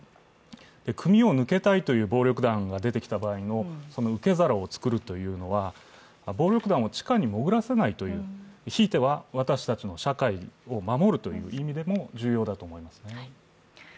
組を抜けたいという暴力団が出てきた場合の受け皿を作るというのは暴力団を地下に潜らせないという、ひいては私たちの社会を守るという意味でも重要だと思います。